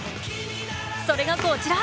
それがこちら。